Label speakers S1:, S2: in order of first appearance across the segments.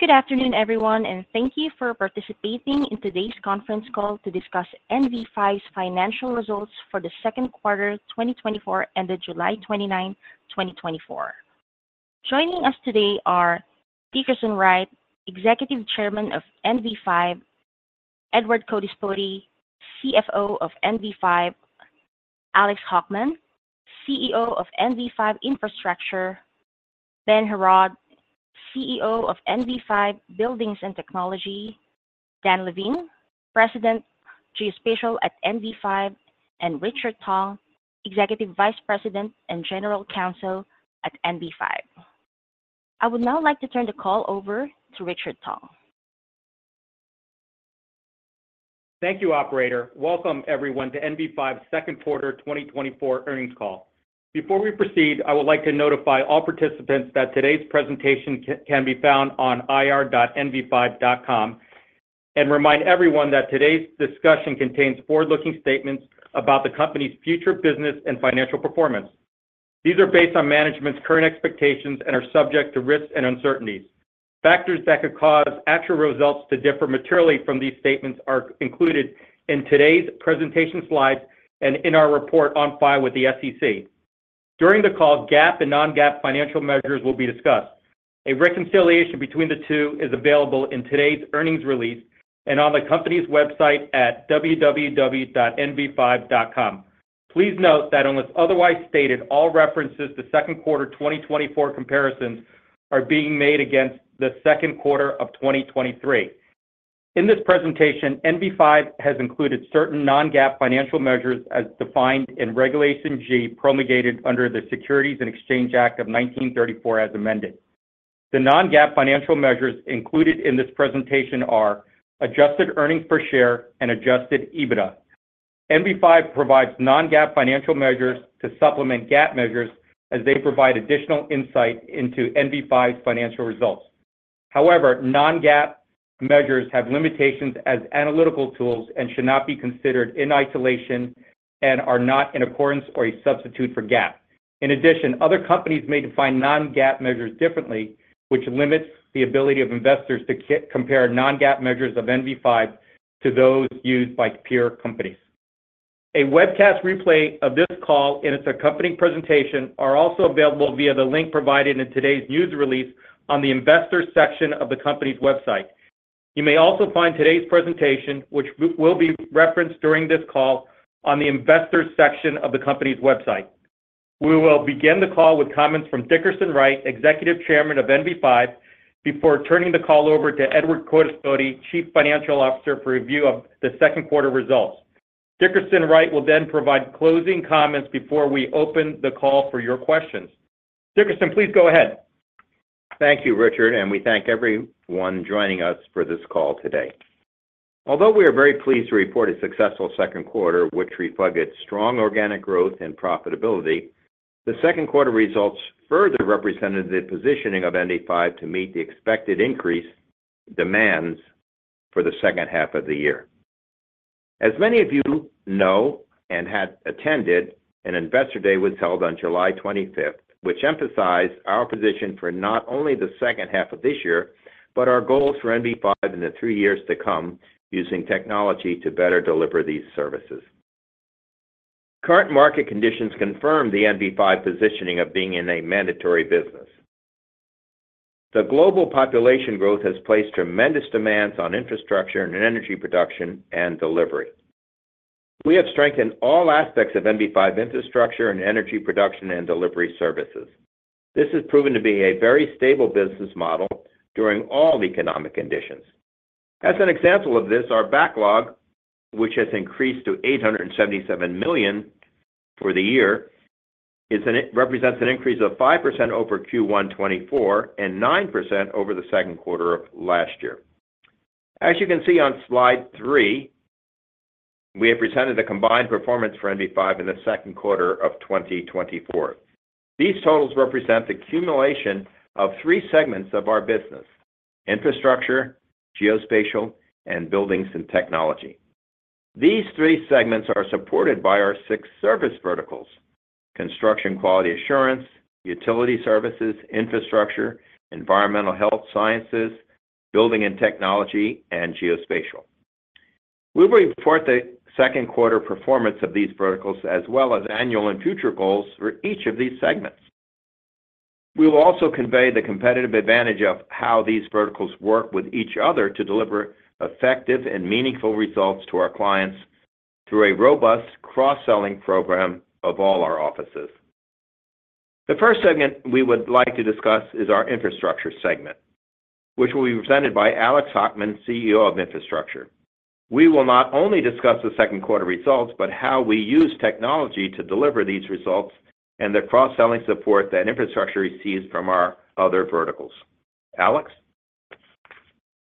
S1: Good afternoon, everyone, and thank you for participating in today's Conference Call to discuss NV5's Financial Results for the Second Quarter of 2024 ended July 29th, 2024. Joining us today are Dickerson Wright, Executive Chairman of NV5, Edward Codispoti, CFO of NV5, Alex Hockman, CEO of NV5 Infrastructure, Ben Heraud, CEO of NV5 Buildings and Technology, Dan Levine, President Geospatial at NV5, and Richard Tong, Executive Vice President and General Counsel at NV5. I would now like to turn the call over to Richard Tong.
S2: Thank you, Operator. Welcome, everyone, to NV5's second quarter 2024 earnings call. Before we proceed, I would like to notify all participants that today's presentation can be found on ir.nv5.com and remind everyone that today's discussion contains forward-looking statements about the company's future business and financial performance. These are based on management's current expectations and are subject to risks and uncertainties. Factors that could cause actual results to differ materially from these statements are included in today's presentation slides and in our report on file with the SEC. During the call, GAAP and non-GAAP financial measures will be discussed. A reconciliation between the two is available in today's earnings release and on the company's website at www.nv5.com. Please note that unless otherwise stated, all references to second quarter 2024 comparisons are being made against the second quarter of 2023. In this presentation, NV5 has included certain non-GAAP financial measures as defined in Regulation G, promulgated under the Securities and Exchange Act of 1934 as amended. The non-GAAP financial measures included in this presentation are adjusted earnings per share and adjusted EBITDA. NV5 provides non-GAAP financial measures to supplement GAAP measures as they provide additional insight into NV5's financial results. However, non-GAAP measures have limitations as analytical tools and should not be considered in isolation and are not in accordance or a substitute for GAAP. In addition, other companies may define non-GAAP measures differently, which limits the ability of investors to compare non-GAAP measures of NV5 to those used by peer companies. A webcast replay of this call and its accompanying presentation are also available via the link provided in today's news release on the Investors' section of the company's website. You may also find today's presentation, which will be referenced during this call, on the Investor's section of the company's website. We will begin the call with comments from Dickerson Wright, Executive Chairman of NV5, before turning the call over to Edward Codispoti, Chief Financial Officer, for review of the second quarter results. Dickerson Wright will then provide closing comments before we open the call for your questions. Dickerson, please go ahead.
S3: Thank you, Richard, and we thank everyone joining us for this call today. Although we are very pleased to report a successful second quarter, which reflected strong organic growth and profitability, the second quarter results further represented the positioning of NV5 to meet the expected increase demands for the second half of the year. As many of you know and had attended, an Investor Day was held on July 25, which emphasized our position for not only the second half of this year, but our goals for NV5 in the three years to come using technology to better deliver these services. Current market conditions confirm the NV5 positioning of being in a mandatory business. The global population growth has placed tremendous demands on infrastructure and energy production and delivery. We have strengthened all aspects of NV5 infrastructure and energy production and delivery services. This has proven to be a very stable business model during all economic conditions. As an example of this, our backlog, which has increased to $877 million for the year, represents an increase of 5% over Q1 2024 and 9% over the second quarter of last year. As you can see on slide three, we have presented the combined performance for NV5 in the second quarter of 2024. These totals represent the cumulation of three segments of our business: infrastructure, geospatial, and buildings and technology. These three segments are supported by our six service verticals: construction quality assurance, utility services, infrastructure, environmental health sciences, building and technology, and geospatial. We will report the second quarter performance of these verticals, as well as annual and future goals for each of these segments. We will also convey the competitive advantage of how these verticals work with each other to deliver effective and meaningful results to our clients through a robust cross-selling program of all our offices. The first segment we would like to discuss is our infrastructure segment, which will be presented by Alex Hockman, CEO of Infrastructure. We will not only discuss the second quarter results, but how we use technology to deliver these results and the cross-selling support that infrastructure receives from our other verticals. Alex?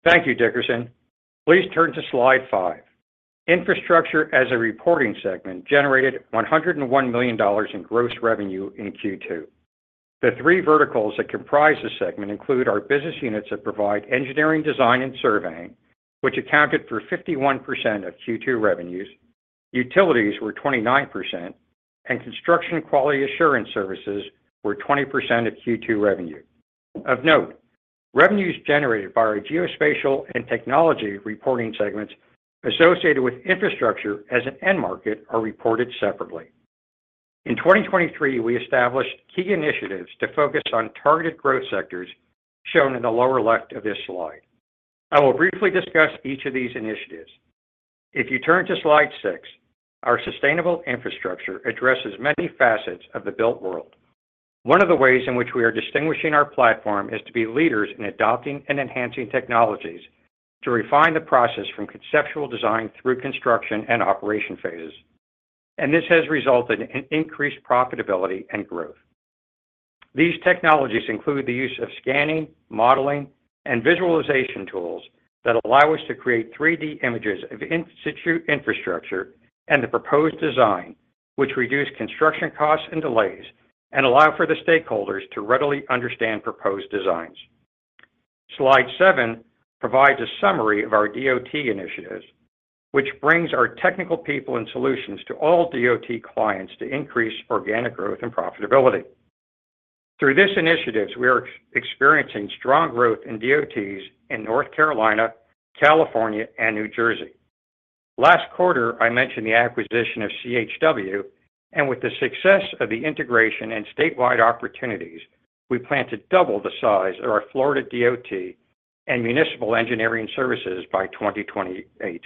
S4: Thank you, Dickerson. Please turn to slide 5. Infrastructure as a reporting segment generated $101 million in gross revenue in Q2. The three verticals that comprise this segment include our business units that provide engineering design and surveying, which accounted for 51% of Q2 revenues. Utilities were 29%, and construction quality assurance services were 20% of Q2 revenue. Of note, revenues generated by our geospatial and technology reporting segments associated with infrastructure as an end market are reported separately. In 2023, we established key initiatives to focus on targeted growth sectors shown in the lower left of this slide. I will briefly discuss each of these initiatives. If you turn to slide 6, our sustainable infrastructure addresses many facets of the built world. One of the ways in which we are distinguishing our platform is to be leaders in adopting and enhancing technologies to refine the process from conceptual design through construction and operation phases, and this has resulted in increased profitability and growth. These technologies include the use of scanning, modeling, and visualization tools that allow us to create 3D images of infrastructure and the proposed design, which reduce construction costs and delays and allow for the stakeholders to readily understand proposed designs. Slide 7 provides a summary of our DOT initiatives, which brings our technical people and solutions to all DOT clients to increase organic growth and profitability. Through these initiatives, we are experiencing strong growth in DOTs in North Carolina, California, and New Jersey. Last quarter, I mentioned the acquisition of CHW, and with the success of the integration and statewide opportunities, we plan to double the size of our Florida DOT and municipal engineering services by 2028.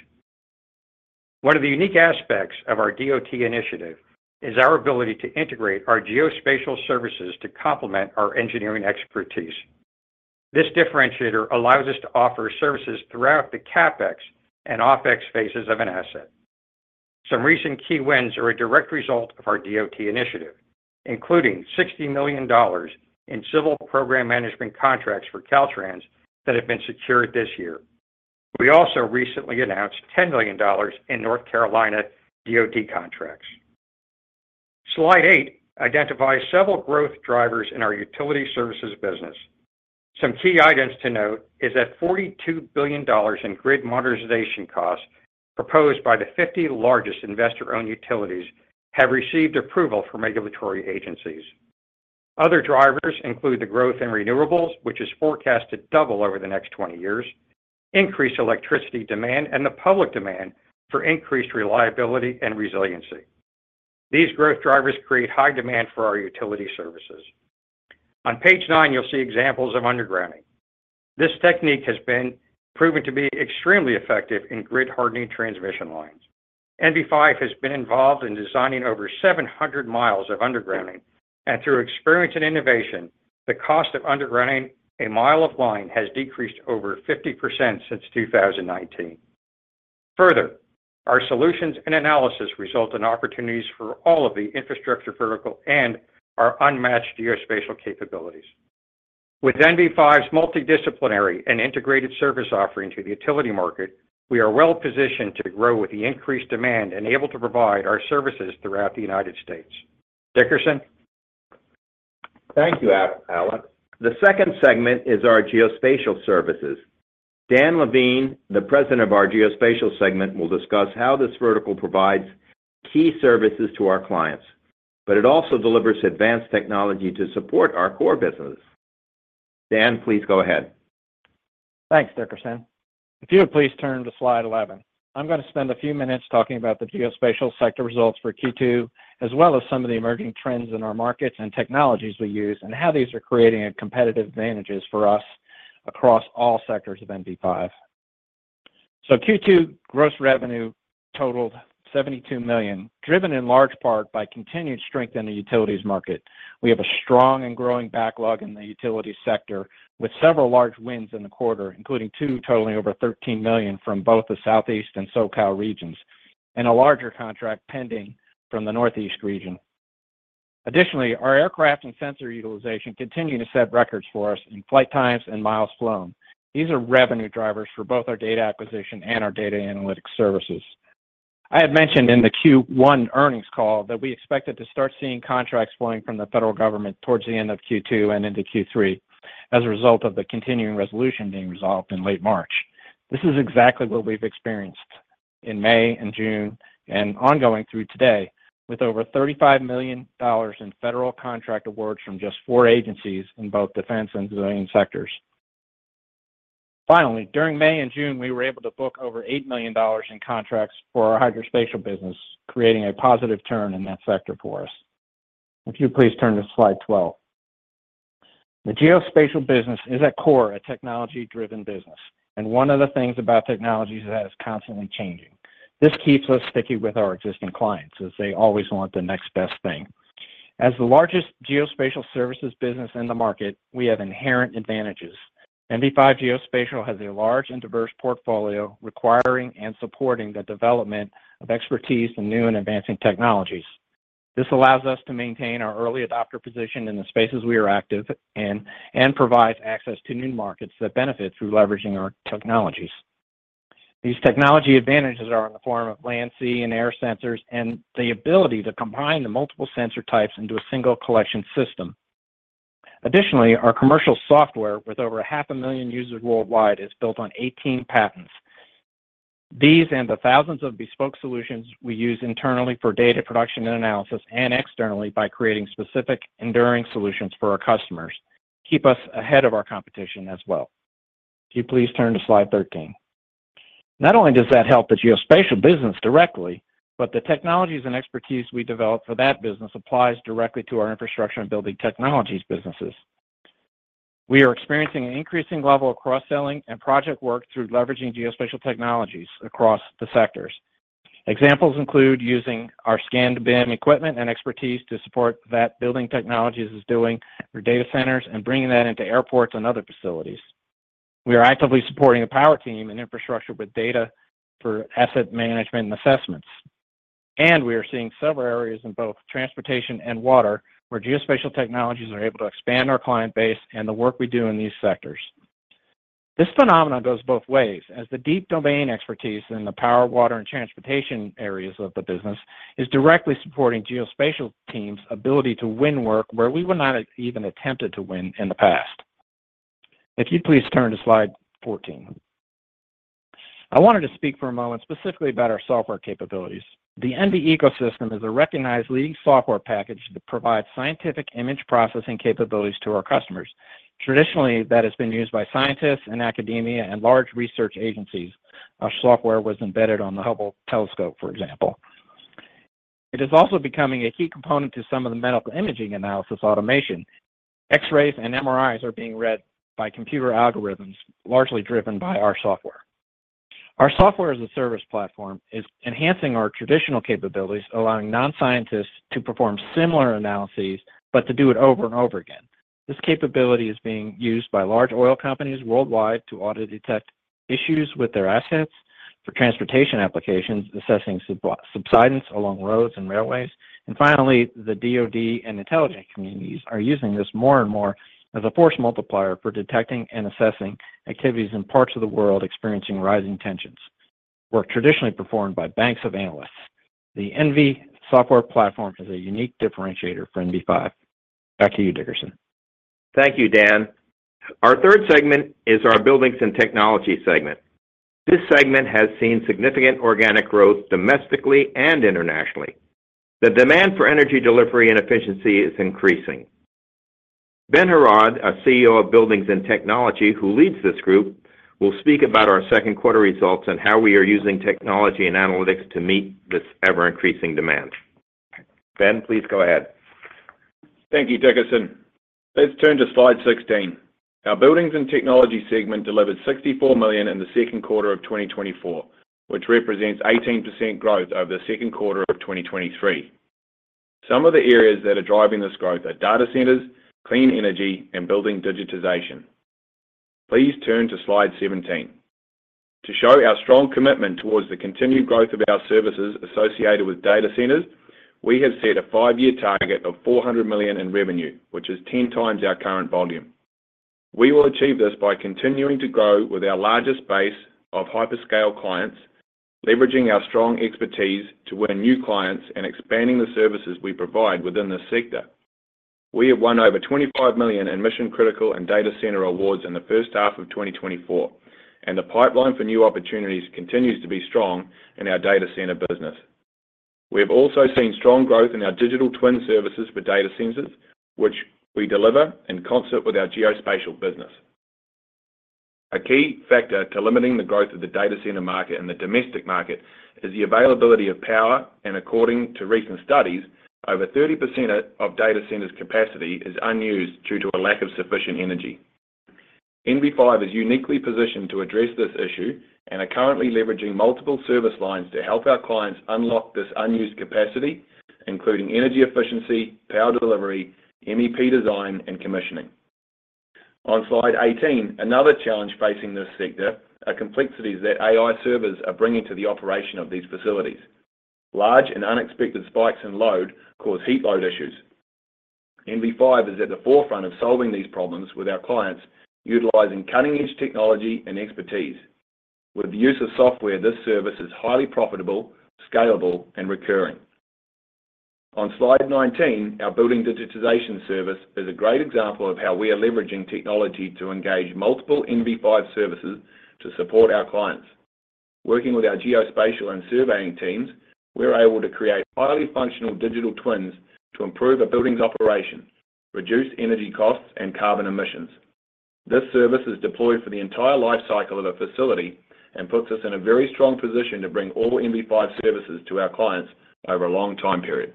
S4: One of the unique aspects of our DOT initiative is our ability to integrate our geospatial services to complement our engineering expertise. This differentiator allows us to offer services throughout the CapEx and OpEx phases of an asset. Some recent key wins are a direct result of our DOT initiative, including $60 million in civil program management contracts for Caltrans that have been secured this year. We also recently announced $10 million in North Carolina DOT contracts. Slide 8 identifies several growth drivers in our utility services business. Some key items to note are that $42 billion in grid modernization costs proposed by the 50 largest investor-owned utilities have received approval from regulatory agencies. Other drivers include the growth in renewables, which is forecast to double over the next 20 years, increased electricity demand, and the public demand for increased reliability and resiliency. These growth drivers create high demand for our utility services. On page 9, you'll see examples of undergrounding. This technique has been proven to be extremely effective in grid-hardening transmission lines. NV5 has been involved in designing over 700 miles of undergrounding, and through experience and innovation, the cost of undergrounding a mile of line has decreased over 50% since 2019. Further, our solutions and analysis result in opportunities for all of the infrastructure vertical and our unmatched geospatial capabilities. With NV5's multidisciplinary and integrated service offering to the utility market, we are well positioned to grow with the increased demand and able to provide our services throughout the United States. Dickerson?
S3: Thank you, Alex. The second segment is our geospatial services. Dan Levine, the president of our geospatial segment, will discuss how this vertical provides key services to our clients, but it also delivers advanced technology to support our core businesses. Dan, please go ahead.
S5: Thanks, Dickerson. If you would please turn to slide 11. I'm going to spend a few minutes talking about the geospatial sector results for Q2, as well as some of the emerging trends in our markets and technologies we use, and how these are creating competitive advantages for us across all sectors of NV5. So Q2 gross revenue totaled $72 million, driven in large part by continued strength in the utilities market. We have a strong and growing backlog in the utility sector with several large wins in the quarter, including two totaling over $13 million from both the Southeast and SoCal regions, and a larger contract pending from the Northeast region. Additionally, our aircraft and sensor utilization continue to set records for us in flight times and miles flown. These are revenue drivers for both our data acquisition and our data analytics services. I had mentioned in the Q1 earnings call that we expected to start seeing contracts flowing from the federal government towards the end of Q2 and into Q3 as a result of the Continuing Resolution being resolved in late March. This is exactly what we've experienced in May and June and ongoing through today, with over $35 million in federal contract awards from just four agencies in both defense and civilian sectors. Finally, during May and June, we were able to book over $8 million in contracts for our Hydrospatial business, creating a positive turn in that sector for us. If you would please turn to slide 12. The Geospatial business is at core a technology-driven business, and one of the things about technology is that it is constantly changing. This keeps us sticky with our existing clients, as they always want the next best thing. As the largest geospatial services business in the market, we have inherent advantages. NV5 Geospatial has a large and diverse portfolio requiring and supporting the development of expertise in new and advancing technologies. This allows us to maintain our early adopter position in the spaces we are active in and provide access to new markets that benefit through leveraging our technologies. These technology advantages are in the form of land, sea, and air sensors and the ability to combine the multiple sensor types into a single collection system. Additionally, our commercial software with over half a million users worldwide is built on 18 patents. These and the thousands of bespoke solutions we use internally for data production and analysis and externally by creating specific enduring solutions for our customers keep us ahead of our competition as well. If you please turn to slide 13. Not only does that help the geospatial business directly, but the technologies and expertise we develop for that business applies directly to our infrastructure and building technologies businesses. We are experiencing an increasing level of cross-selling and project work through leveraging geospatial technologies across the sectors. Examples include using our scan-to-BIM equipment and expertise to support that building technologies is doing for data centers and bringing that into airports and other facilities. We are actively supporting the power team and infrastructure with data for asset management and assessments. We are seeing several areas in both transportation and water where geospatial technologies are able to expand our client base and the work we do in these sectors. This phenomenon goes both ways, as the deep domain expertise in the power, water, and transportation areas of the business is directly supporting geospatial teams' ability to win work where we were not even attempted to win in the past. If you please turn to slide 14. I wanted to speak for a moment specifically about our software capabilities. The ENVI Ecosystem is a recognized leading software package that provides scientific image processing capabilities to our customers. Traditionally, that has been used by scientists and academia and large research agencies. Our software was embedded on the Hubble Telescope, for example. It is also becoming a key component to some of the medical imaging analysis automation. X-rays and MRIs are being read by computer algorithms, largely driven by our software. Our software as a service platform is enhancing our traditional capabilities, allowing non-scientists to perform similar analyses, but to do it over and over again. This capability is being used by large oil companies worldwide to audit and detect issues with their assets, for transportation applications, assessing subsidence along roads and railways. And finally, the DOD and intelligence communities are using this more and more as a force multiplier for detecting and assessing activities in parts of the world experiencing rising tensions, work traditionally performed by banks of analysts. The NV5 software platform is a unique differentiator for NV5. Back to you, Dickerson.
S3: Thank you, Dan. Our third segment is our Buildings and Technology segment. This segment has seen significant organic growth domestically and internationally. The demand for energy delivery and efficiency is increasing. Ben Heraud, CEO of Buildings and Technology, who leads this group, will speak about our second quarter results and how we are using technology and analytics to meet this ever-increasing demand. Ben, please go ahead.
S6: Thank you, Dickerson. Let's turn to slide 16. Our buildings and technology segment delivered $64 million in the second quarter of 2024, which represents 18% growth over the second quarter of 2023. Some of the areas that are driving this growth are data centers, clean energy, and building digitization. Please turn to slide 17. To show our strong commitment toward the continued growth of our services associated with data centers, we have set a five-year target of $400 million in revenue, which is 10 times our current volume. We will achieve this by continuing to grow with our largest base of hyperscale clients, leveraging our strong expertise to win new clients and expanding the services we provide within the sector. We have won over $25 million in mission-critical and data center awards in the first half of 2024, and the pipeline for new opportunities continues to be strong in our data center business. We have also seen strong growth in our digital twin services for data centers, which we deliver in concert with our geospatial business. A key factor to limiting the growth of the data center market and the domestic market is the availability of power, and according to recent studies, over 30% of data centers' capacity is unused due to a lack of sufficient energy. NV5 is uniquely positioned to address this issue and is currently leveraging multiple service lines to help our clients unlock this unused capacity, including energy efficiency, power delivery, MEP design, and commissioning. On slide 18, another challenge facing this sector are complexities that AI servers are bringing to the operation of these facilities. Large and unexpected spikes in load cause heat load issues. NV5 is at the forefront of solving these problems with our clients, utilizing cutting-edge technology and expertise. With the use of software, this service is highly profitable, scalable, and recurring. On slide 19, our building digitization service is a great example of how we are leveraging technology to engage multiple NV5 services to support our clients. Working with our geospatial and surveying teams, we are able to create highly functional digital twins to improve a building's operation, reduce energy costs, and carbon emissions. This service is deployed for the entire lifecycle of a facility and puts us in a very strong position to bring all NV5 services to our clients over a long time period.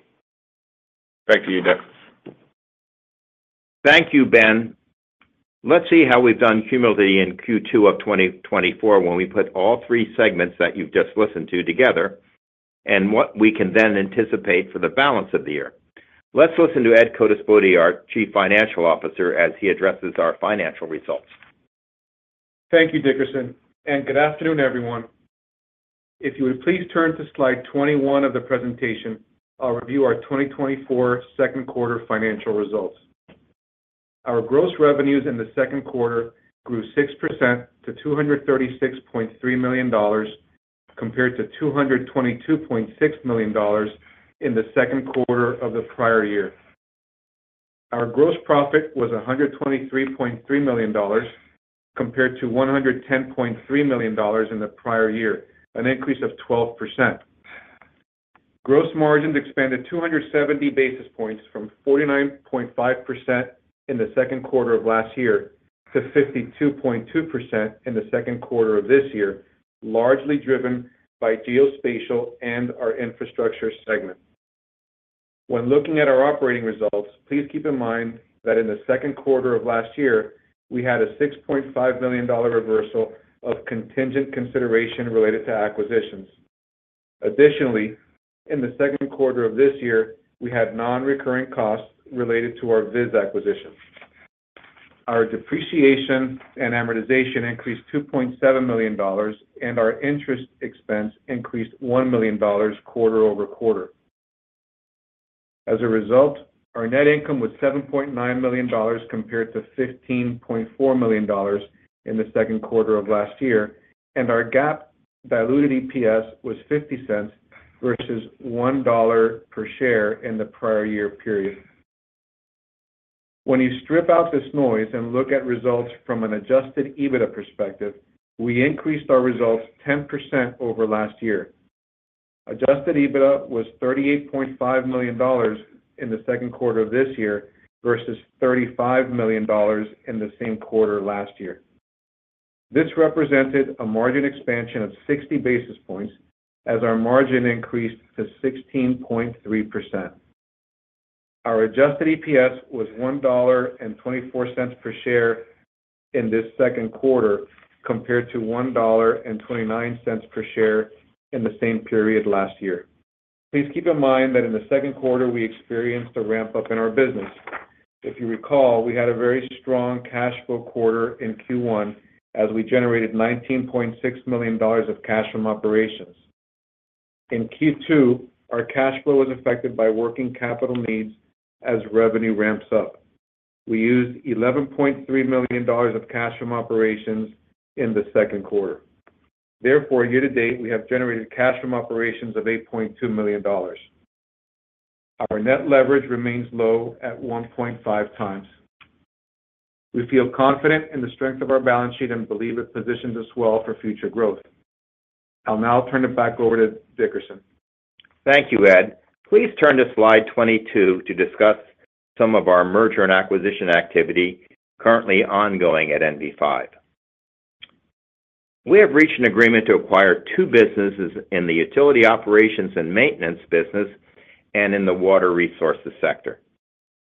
S6: Back to you, Dick.
S3: Thank you, Ben. Let's see how we've done cumulatively in Q2 of 2024 when we put all three segments that you've just listened to together and what we can then anticipate for the balance of the year. Let's listen to Ed Codispoti, our Chief Financial Officer, as he addresses our financial results.
S7: Thank you, Dickerson. Good afternoon, everyone. If you would please turn to slide 21 of the presentation, I'll review our 2024 second quarter financial results. Our gross revenues in the second quarter grew 6% to $236.3 million compared to $222.6 million in the second quarter of the prior year. Our gross profit was $123.3 million compared to $110.3 million in the prior year, an increase of 12%. Gross margins expanded 270 basis points from 49.5% in the second quarter of last year to 52.2% in the second quarter of this year, largely driven by geospatial and our infrastructure segment. When looking at our operating results, please keep in mind that in the second quarter of last year, we had a $6.5 million reversal of contingent consideration related to acquisitions. Additionally, in the second quarter of this year, we had non-recurring costs related to our VIS acquisition. Our depreciation and amortization increased $2.7 million, and our interest expense increased $1 million quarter-over-quarter. As a result, our net income was $7.9 million compared to $15.4 million in the second quarter of last year, and our GAAP diluted EPS was $0.50 versus $1 per share in the prior year period. When you strip out this noise and look at results from an Adjusted EBITDA perspective, we increased our results 10% over last year. Adjusted EBITDA was $38.5 million in the second quarter of this year versus $35 million in the same quarter last year. This represented a margin expansion of 60 basis points as our margin increased to 16.3%. Our adjusted EPS was $1.24 per share in this second quarter compared to $1.29 per share in the same period last year. Please keep in mind that in the second quarter, we experienced a ramp-up in our business. If you recall, we had a very strong cash flow quarter in Q1 as we generated $19.6 million of cash from operations. In Q2, our cash flow was affected by working capital needs as revenue ramps up. We used $11.3 million of cash from operations in the second quarter. Therefore, year to date, we have generated cash from operations of $8.2 million. Our net leverage remains low at 1.5 times. We feel confident in the strength of our balance sheet and believe it positions us well for future growth. I'll now turn it back over to Dickerson.
S3: Thank you, Ed. Please turn to slide 22 to discuss some of our merger and acquisition activity currently ongoing at NV5. We have reached an agreement to acquire two businesses in the utility operations and maintenance business and in the water resources sector.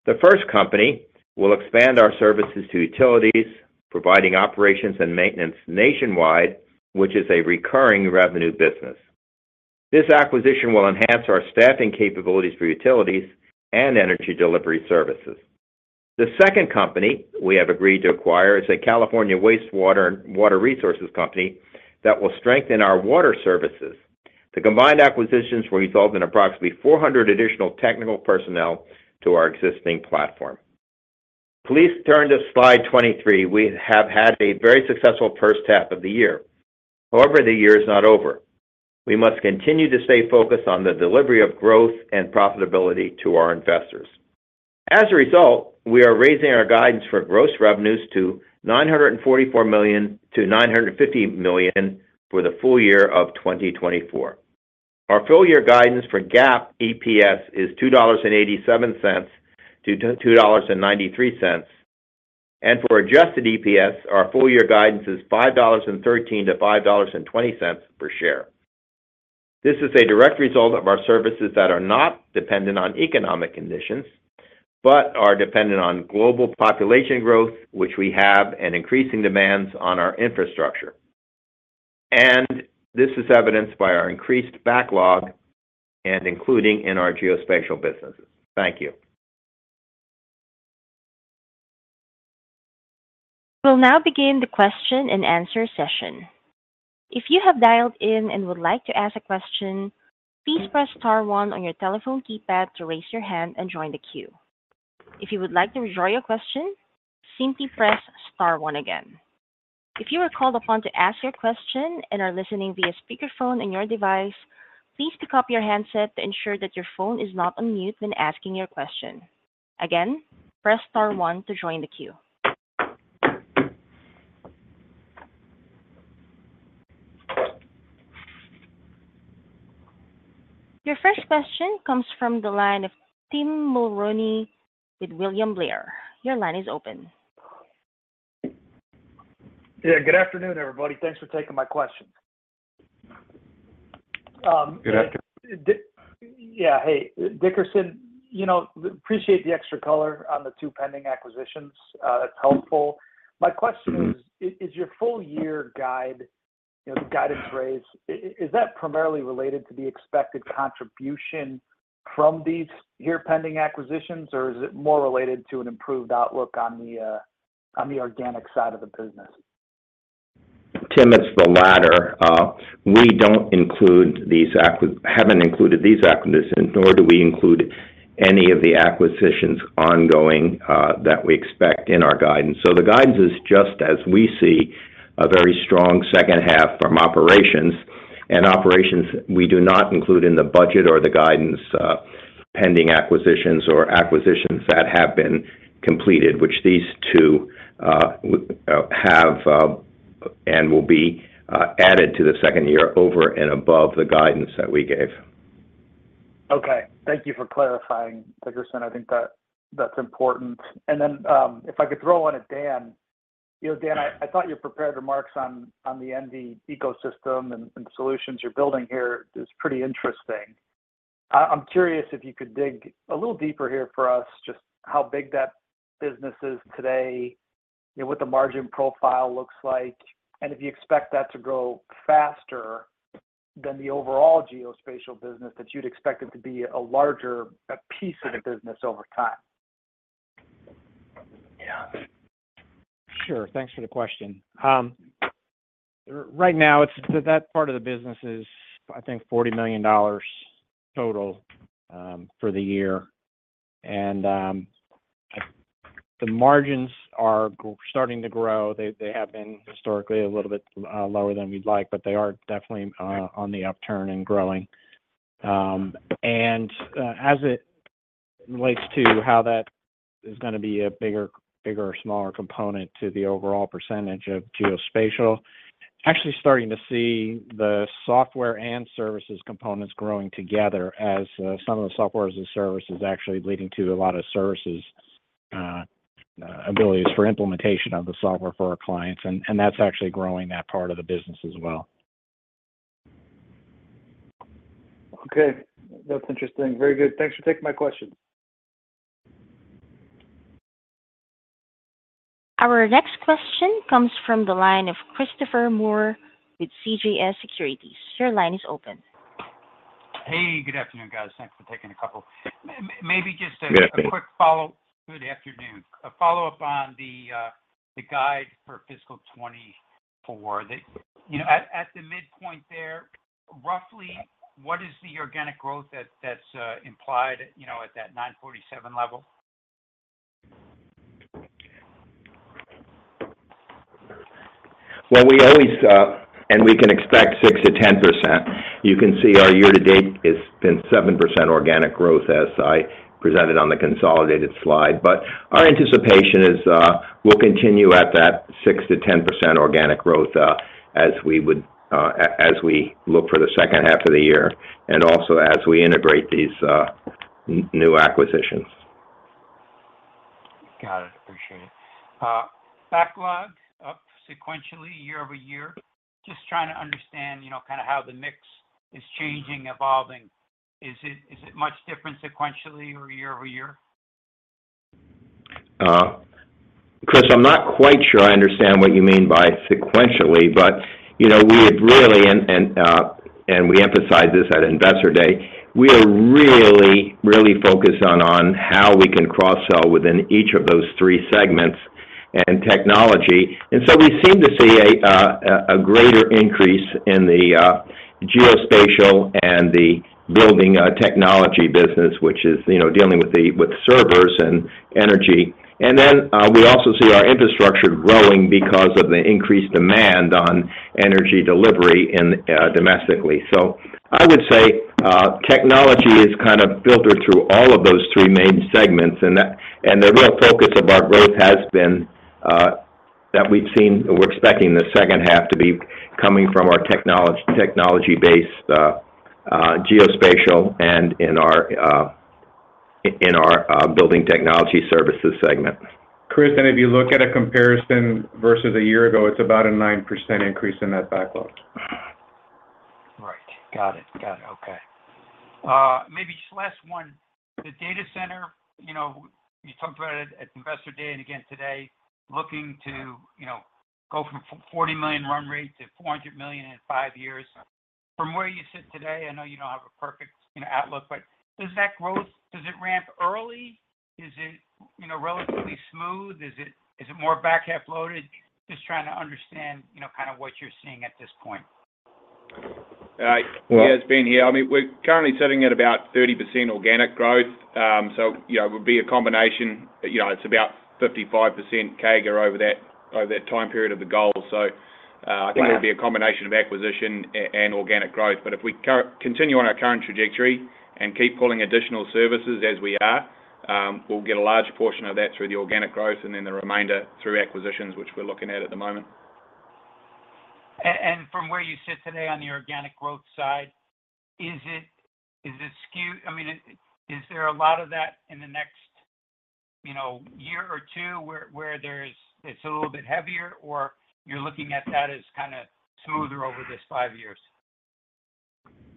S3: The first company will expand our services to utilities, providing operations and maintenance nationwide, which is a recurring revenue business. This acquisition will enhance our staffing capabilities for utilities and energy delivery services. The second company we have agreed to acquire is a California wastewater and water resources company that will strengthen our water services. The combined acquisitions will result in approximately 400 additional technical personnel to our existing platform. Please turn to slide 23. We have had a very successful first half of the year. However, the year is not over. We must continue to stay focused on the delivery of growth and profitability to our investors. As a result, we are raising our guidance for gross revenues to $944 million-$950 million for the full year of 2024. Our full year guidance for GAAP EPS is $2.87-$2.93, and for adjusted EPS, our full year guidance is $5.13-$5.20 per share. This is a direct result of our services that are not dependent on economic conditions but are dependent on global population growth, which we have, and increasing demands on our infrastructure. This is evidenced by our increased backlog, including in our geospatial businesses. Thank you.
S1: We'll now begin the question and answer session. If you have dialed in and would like to ask a question, please press star one on your telephone keypad to raise your hand and join the queue. If you would like to withdraw your question, simply press star one again. If you are called upon to ask your question and are listening via speakerphone on your device, please pick up your handset to ensure that your phone is not on mute when asking your question. Again, press star one to join the queue. Your first question comes from the line of Tim Mulrooney with William Blair. Your line is open.
S8: Yeah, good afternoon, everybody. Thanks for taking my question.
S3: Good afternoon.
S8: Yeah, hey, Dickerson, you know, appreciate the extra color on the two pending acquisitions. That's helpful. My question is, is your full year guide, the guidance raise, is that primarily related to the expected contribution from these here pending acquisitions, or is it more related to an improved outlook on the organic side of the business?
S3: Tim, it's the latter. We don't include these acquisitions, haven't included these acquisitions, nor do we include any of the acquisitions ongoing that we expect in our guidance. So the guidance is just, as we see, a very strong second half from operations. And operations, we do not include in the budget or the guidance pending acquisitions or acquisitions that have been completed, which these two have and will be added to the second year over and above the guidance that we gave.
S8: Okay. Thank you for clarifying, Dickerson. I think that that's important. And then if I could throw on a Dan, you know, Dan, I thought your prepared remarks on the NV ecosystem and solutions you're building here is pretty interesting. I'm curious if you could dig a little deeper here for us, just how big that business is today, what the margin profile looks like, and if you expect that to grow faster than the overall geospatial business, that you'd expect it to be a larger piece of the business over time.
S5: Yeah. Sure. Thanks for the question. Right now, that part of the business is, I think, $40 million total for the year. The margins are starting to grow. They have been historically a little bit lower than we'd like, but they are definitely on the upturn and growing. As it relates to how that is going to be a bigger or smaller component to the overall percentage of geospatial, actually starting to see the software and services components growing together as some of the software as a service is actually leading to a lot of services abilities for implementation of the software for our clients. That's actually growing that part of the business as well.
S8: Okay. That's interesting. Very good. Thanks for taking my question.
S1: Our next question comes from the line of Christopher Moore with CJS Securities. Your line is open.
S9: Hey, good afternoon, guys. Thanks for taking a couple. Maybe just a quick follow-up.
S3: Good afternoon.
S9: Good afternoon. A follow-up on the guide for fiscal 2024. At the midpoint there, roughly, what is the organic growth that's implied at that 947 level?
S3: Well, we always, and we can expect 6%-10%. You can see our year to date has been 7% organic growth as I presented on the consolidated slide. But our anticipation is we'll continue at that 6%-10% organic growth as we look for the second half of the year and also as we integrate these new acquisitions.
S9: Got it. Appreciate it. Backlog up sequentially year-over-year? Just trying to understand kind of how the mix is changing, evolving. Is it much different sequentially or year-over-year?
S3: Chris, I'm not quite sure I understand what you mean by sequentially, but we have really, and we emphasize this at investor day, we are really, really focused on how we can cross-sell within each of those three segments and technology. And so we seem to see a greater increase in the geospatial and the building technology business, which is dealing with servers and energy. And then we also see our infrastructure growing because of the increased demand on energy delivery domestically. So I would say technology is kind of filtered through all of those three main segments. And the real focus of our growth has been that we've seen we're expecting the second half to be coming from our technology-based geospatial and in our building technology services segment.
S7: Chris, if you look at a comparison versus a year ago, it's about a 9% increase in that backlog.
S9: Right. Got it. Got it. Okay. Maybe just last one. The data center, you talked about it at investor day and again today, looking to go from $40 million run rate to $400 million in five years. From where you sit today, I know you don't have a perfect outlook, but does that growth, does it ramp early? Is it relatively smooth? Is it more back half loaded? Just trying to understand kind of what you're seeing at this point.
S6: Yeah, it's Ben here. I mean, we're currently sitting at about 30% organic growth. So it would be a combination. It's about 55% CAGR over that time period of the goal. So I think it would be a combination of acquisition and organic growth. But if we continue on our current trajectory and keep pulling additional services as we are, we'll get a large portion of that through the organic growth and then the remainder through acquisitions, which we're looking at the moment.
S9: From where you sit today on the organic growth side, is it skewed? I mean, is there a lot of that in the next year or two where it's a little bit heavier, or you're looking at that as kind of smoother over this five years?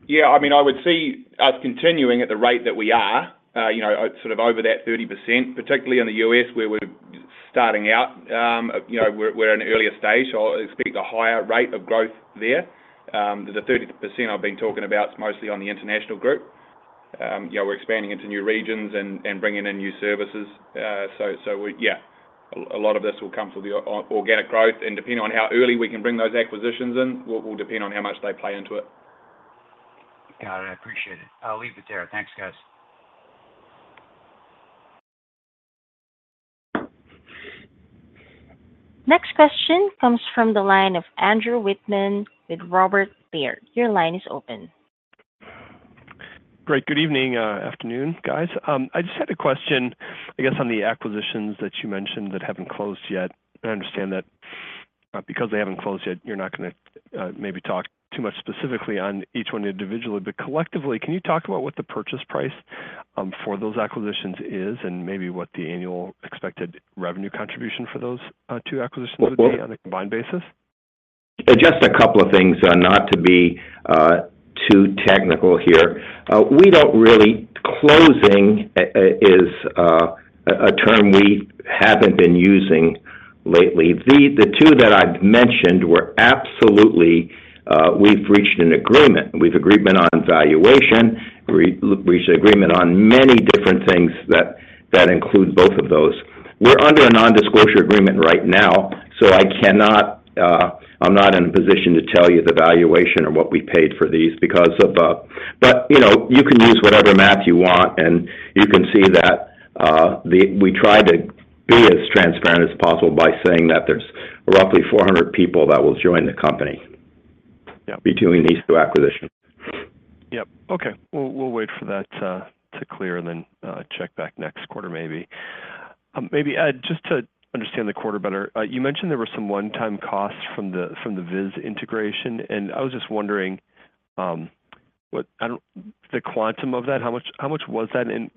S6: Yeah. I mean, I would see us continuing at the rate that we are, sort of over that 30%, particularly in the U.S. where we're starting out. We're in an earlier stage, so I expect a higher rate of growth there. The 30% I've been talking about, it's mostly on the international group. We're expanding into new regions and bringing in new services. So yeah, a lot of this will come through the organic growth. And depending on how early we can bring those acquisitions in, it will depend on how much they play into it.
S9: Got it. I appreciate it. I'll leave it there. Thanks, guys.
S1: Next question comes from the line of Andrew Wittman with Robert Baird. Your line is open.
S10: Great. Good evening, afternoon, guys. I just had a question, I guess, on the acquisitions that you mentioned that haven't closed yet. I understand that because they haven't closed yet, you're not going to maybe talk too much specifically on each one individually. But collectively, can you talk about what the purchase price for those acquisitions is and maybe what the annual expected revenue contribution for those two acquisitions would be on a combined basis?
S3: Just a couple of things not to be too technical here. We don't really closing is a term we haven't been using lately. The two that I've mentioned were absolutely we've reached an agreement. We've agreed on valuation. We've reached an agreement on many different things that include both of those. We're under a non-disclosure agreement right now, so I'm not in a position to tell you the valuation or what we paid for these because of but you can use whatever math you want, and you can see that we try to be as transparent as possible by saying that there's roughly 400 people that will join the company between these two acquisitions.
S10: Yep. Okay. We'll wait for that to clear and then check back next quarter maybe. Maybe, Ed, just to understand the quarter better, you mentioned there were some one-time costs from the VIS integration, and I was just wondering the quantum of that, how much was that? And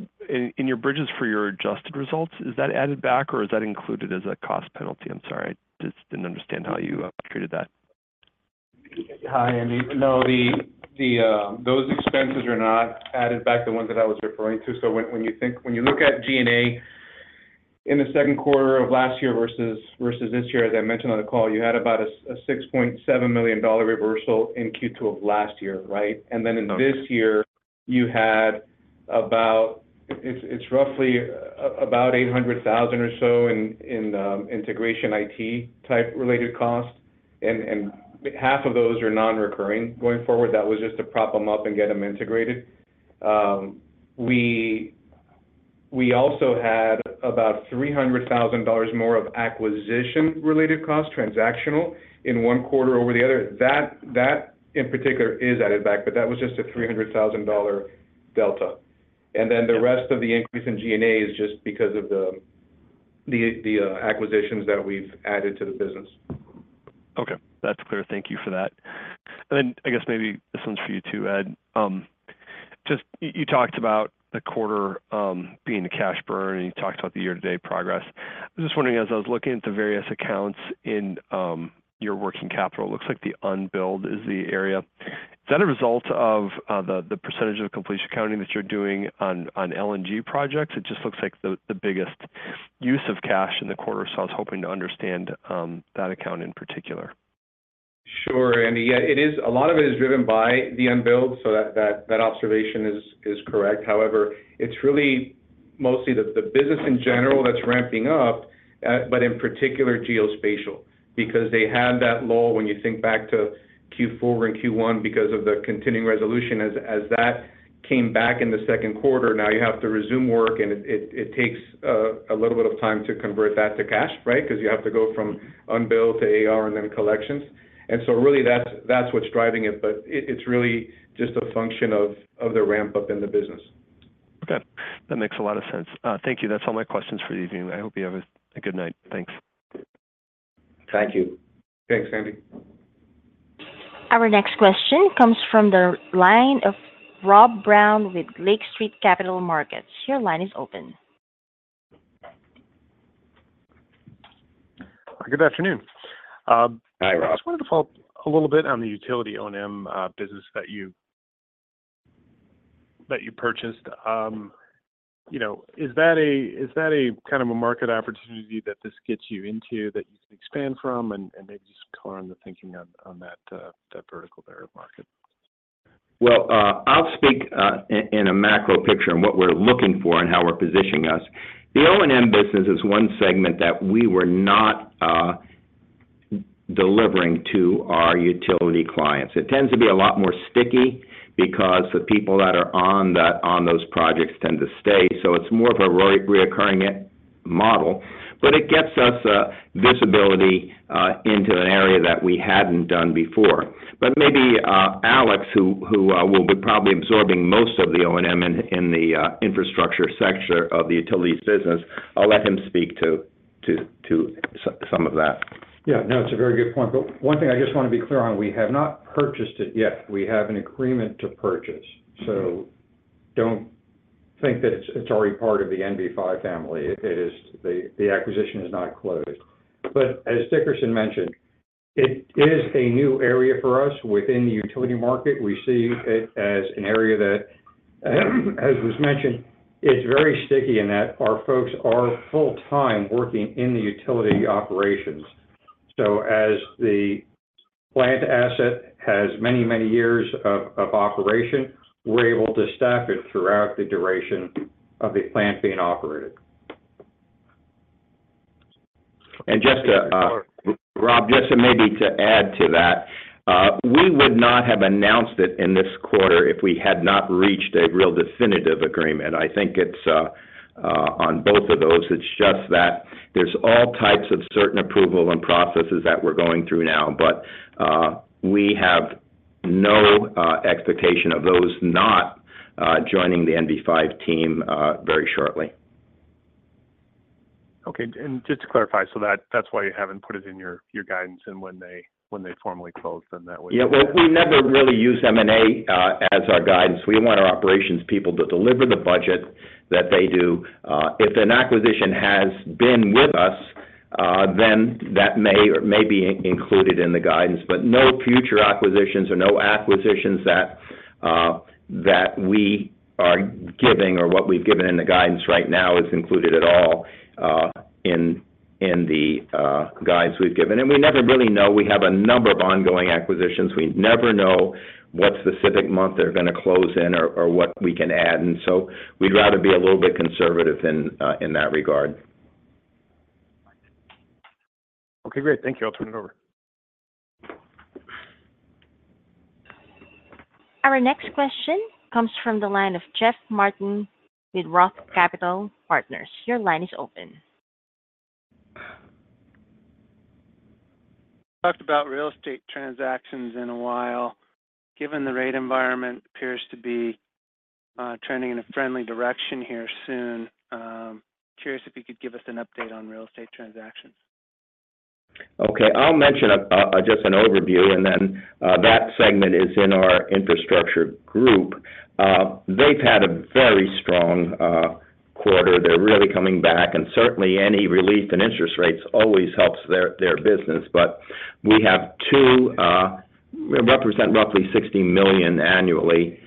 S10: in your bridges for your adjusted results, is that added back or is that included as a cost penalty? I'm sorry. I just didn't understand how you treated that.
S7: Hi, Andy. No, those expenses are not added back, the ones that I was referring to. So when you look at G&A in the second quarter of last year versus this year, as I mentioned on the call, you had about a $6.7 million reversal in Q2 of last year, right? And then in this year, you had about it's roughly about $800,000 or so in integration IT-type related costs. And half of those are non-recurring. Going forward, that was just to prop them up and get them integrated. We also had about $300,000 more of acquisition-related costs, transactional, in one quarter over the other. That, in particular, is added back, but that was just a $300,000 delta. And then the rest of the increase in G&A is just because of the acquisitions that we've added to the business.
S11: Okay. That's clear. Thank you for that. And then I guess maybe this one's for you too, Ed. Just you talked about the quarter being the cash burn, and you talked about the year-to-date progress. I was just wondering, as I was looking at the various accounts in your working capital, it looks like the unbilled is the area. Is that a result of the percentage of completion accounting that you're doing on LNG projects? It just looks like the biggest use of cash in the quarter, so I was hoping to understand that account in particular.
S10: Sure, Andy. Yeah, a lot of it is driven by the unbilled, so that observation is correct. However, it's really mostly the business in general that's ramping up, but in particular, geospatial, because they had that lull when you think back to Q4 and Q1 because of the Continuing Resolution. As that came back in the second quarter, now you have to resume work, and it takes a little bit of time to convert that to cash, right? Because you have to go from unbilled to AR and then collections. And so really, that's what's driving it, but it's really just a function of the ramp-up in the business. Okay. That makes a lot of sense. Thank you. That's all my questions for the evening. I hope you have a good night. Thanks.
S3: Thank you.
S7: Thanks, Andrew.
S1: Our next question comes from the line of Rob Brown with Lake Street Capital Markets. Your line is open.
S12: Good afternoon.
S3: Hi, Rob.
S12: I just wanted to follow up a little bit on the utility O&M business that you purchased. Is that a kind of a market opportunity that this gets you into that you can expand from, and maybe just color on the thinking on that vertical there of market?
S3: Well, I'll speak in a macro picture and what we're looking for and how we're positioning us. The O&M business is one segment that we were not delivering to our utility clients. It tends to be a lot more sticky because the people that are on those projects tend to stay. So it's more of a recurring model, but it gets us visibility into an area that we hadn't done before. But maybe Alex, who will be probably absorbing most of the O&M in the infrastructure sector of the utilities business, I'll let him speak to some of that.
S4: Yeah. No, it's a very good point. But one thing I just want to be clear on, we have not purchased it yet. We have an agreement to purchase. So don't think that it's already part of the NV5 family. The acquisition is not closed. But as Dickerson mentioned, it is a new area for us within the utility market. We see it as an area that, as was mentioned, it's very sticky in that our folks are full-time working in the utility operations. So as the plant asset has many, many years of operation, we're able to staff it throughout the duration of the plant being operated.
S3: And just to.
S6: And.
S3: Rob, just maybe to add to that, we would not have announced it in this quarter if we had not reached a real definitive agreement. I think it's on both of those. It's just that there's all types of certain approval and processes that we're going through now, but we have no expectation of those not joining the NV5 team very shortly.
S12: Okay. And just to clarify, so that's why you haven't put it in your guidance and when they formally close, then that would.
S3: Yeah. Well, we never really use M&A as our guidance. We want our operations people to deliver the budget that they do. If an acquisition has been with us, then that may be included in the guidance. But no future acquisitions or no acquisitions that we are giving or what we've given in the guidance right now is included at all in the guidance we've given. And we never really know. We have a number of ongoing acquisitions. We never know what specific month they're going to close in or what we can add. And so we'd rather be a little bit conservative in that regard.
S12: Okay. Great. Thank you. I'll turn it over.
S1: Our next question comes from the line of Jeff Martin with Roth Capital Partners. Your line is open.
S13: Talked about real estate transactions in a while. Given the rate environment, appears to be trending in a friendly direction here soon. Curious if you could give us an update on real estate transactions?
S3: Okay. I'll mention just an overview, and then that segment is in our infrastructure group. They've had a very strong quarter. They're really coming back. And certainly, any relief in interest rates always helps their business. But we have two represent roughly $60 million annually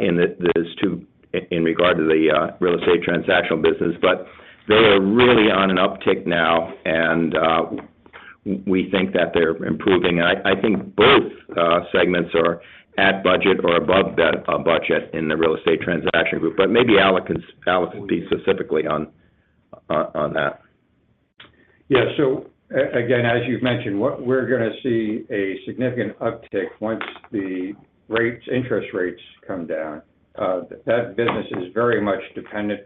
S3: in regard to the real estate transactional business. But they are really on an uptick now, and we think that they're improving. I think both segments are at budget or above budget in the real estate transaction group. But maybe Alex can speak specifically on that.
S4: Yeah. So again, as you've mentioned, we're going to see a significant uptick once the interest rates come down. That business is very much dependent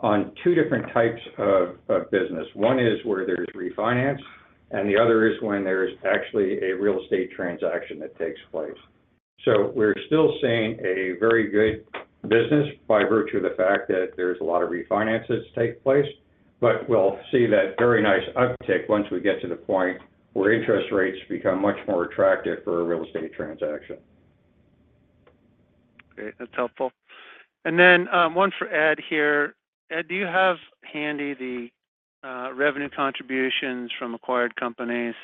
S4: on two different types of business. One is where there's refinance, and the other is when there's actually a real estate transaction that takes place. So we're still seeing a very good business by virtue of the fact that there's a lot of refinances take place. But we'll see that very nice uptick once we get to the point where interest rates become much more attractive for a real estate transaction.
S13: Okay. That's helpful. And then one for Ed here. Ed, do you have handy the revenue contributions from acquired companies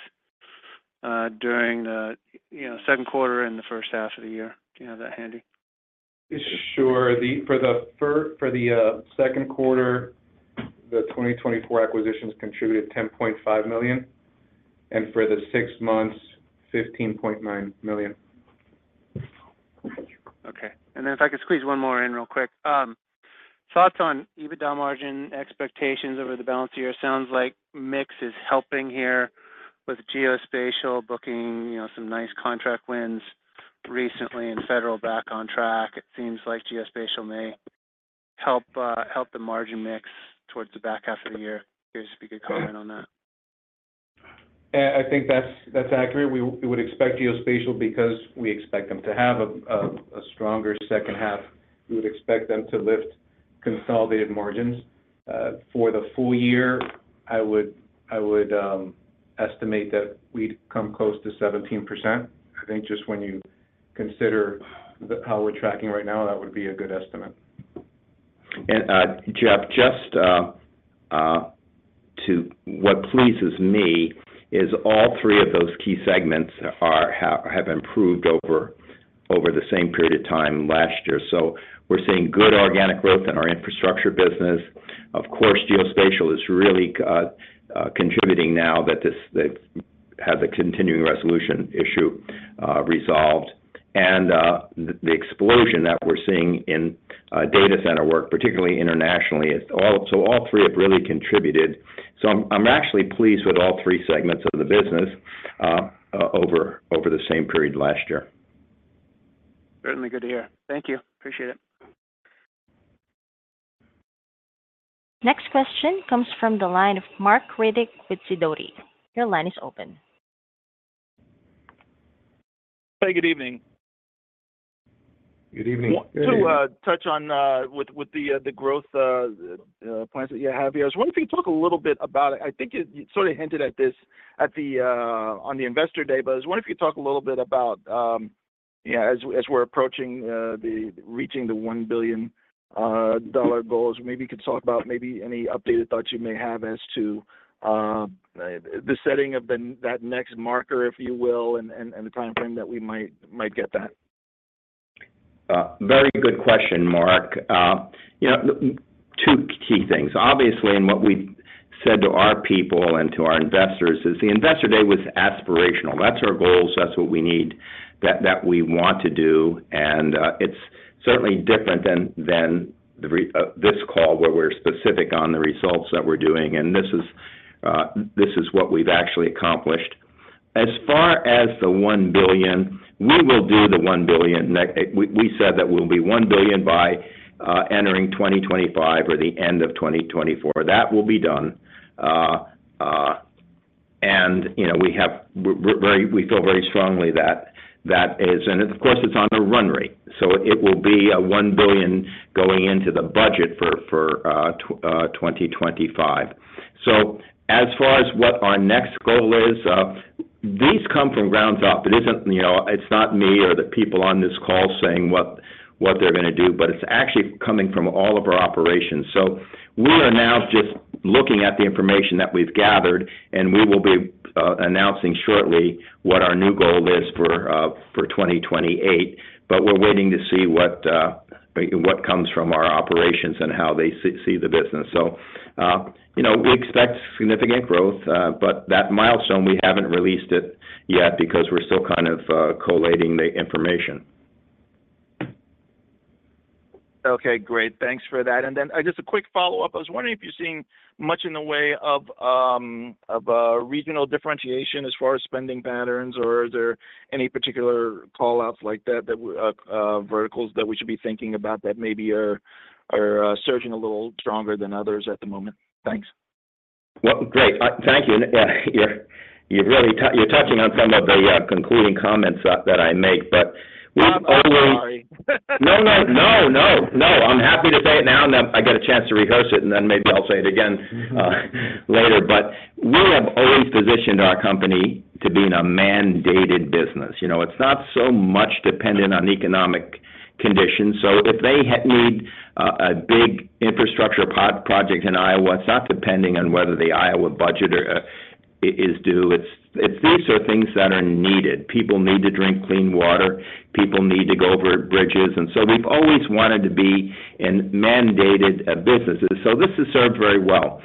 S13: during the second quarter and the first half of the year? Do you have that handy?
S7: Sure. For the second quarter, the 2024 acquisitions contributed $10.5 million. And for the six months, $15.9 million.
S13: Okay. And then if I could squeeze one more in real quick. Thoughts on EBITDA margin expectations over the balance of the year? It sounds like mix is helping here with geospatial booking some nice contract wins recently and federal back on track. It seems like geospatial may help the margin mix towards the back half of the year. Curious if you could comment on that.
S7: I think that's accurate. We would expect geospatial because we expect them to have a stronger second half. We would expect them to lift consolidated margins. For the full year, I would estimate that we'd come close to 17%. I think just when you consider how we're tracking right now, that would be a good estimate.
S3: Jeff, just to what pleases me is all three of those key segments have improved over the same period of time last year. So we're seeing good organic growth in our infrastructure business. Of course, geospatial is really contributing now that they have the Continuing Resolution issue resolved. And the explosion that we're seeing in data center work, particularly internationally, so all three have really contributed. So I'm actually pleased with all three segments of the business over the same period last year.
S13: Certainly good to hear. Thank you. Appreciate it.
S1: Next question comes from the line of Marc Riddick with Sidoti. Your line is open.
S14: Hi, good evening.
S4: Good evening.
S14: To touch on with the growth plans that you have here, I was wondering if you could talk a little bit about it. I think you sort of hinted at this on the investor day, but I was wondering if you could talk a little bit about, yeah, as we're approaching reaching the $1 billion goal, maybe you could talk about maybe any updated thoughts you may have as to the setting of that next marker, if you will, and the timeframe that we might get that.
S3: Very good question, Marc. Two key things. Obviously, in what we've said to our people and to our investors is the investor day was aspirational. That's our goals. That's what we need, that we want to do. And it's certainly different than this call where we're specific on the results that we're doing. And this is what we've actually accomplished. As far as the $1 billion, we will do the $1 billion. We said that we'll be $1 billion by entering 2025 or the end of 2024. That will be done. And we feel very strongly that is. And of course, it's on a run rate. So it will be a $1 billion going into the budget for 2025. So as far as what our next goal is, these come from grounds up. It's not me or the people on this call saying what they're going to do, but it's actually coming from all of our operations. So we are now just looking at the information that we've gathered, and we will be announcing shortly what our new goal is for 2028. But we're waiting to see what comes from our operations and how they see the business. So we expect significant growth, but that milestone, we haven't released it yet because we're still kind of collating the information.
S14: Okay. Great. Thanks for that. And then just a quick follow-up. I was wondering if you're seeing much in the way of regional differentiation as far as spending patterns, or are there any particular callouts like that, verticals that we should be thinking about that maybe are surging a little stronger than others at the moment? Thanks.
S3: Well, great. Thank you. And yeah, you're touching on some of the concluding comments that I make, but we've always.
S14: I'm sorry.
S3: No, no, no, no. I'm happy to say it now, and I get a chance to rehearse it, and then maybe I'll say it again later. But we have always positioned our company to be in a mandated business. It's not so much dependent on economic conditions. So if they need a big infrastructure project in Iowa, it's not depending on whether the Iowa budget is due. These are things that are needed. People need to drink clean water. People need to go over bridges. And so we've always wanted to be in mandated businesses. So this has served very well.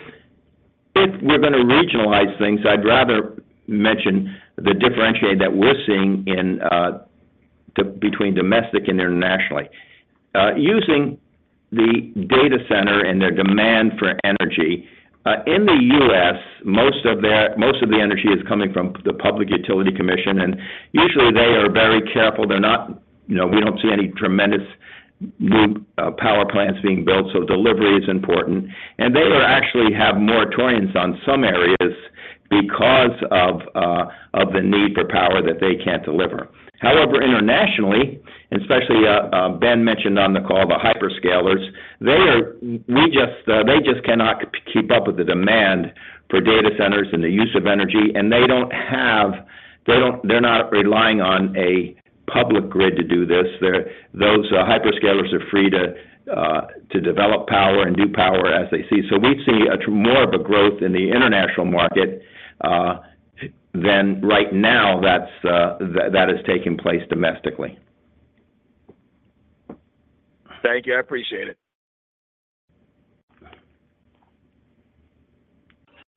S3: If we're going to regionalize things, I'd rather mention the differentiation that we're seeing between domestic and internationally. Using the data center and their demand for energy, in the U.S., most of the energy is coming from the Public Utility Commission. And usually, they are very careful. We don't see any tremendous new power plants being built, so delivery is important. They actually have moratoriums on some areas because of the need for power that they can't deliver. However, internationally, and especially Ben mentioned on the call, the hyperscalers, they just cannot keep up with the demand for data centers and the use of energy. They don't have—they're not relying on a public grid to do this. Those hyperscalers are free to develop power and do power as they see. We see more of a growth in the international market than right now that is taking place domestically.
S14: Thank you. I appreciate it.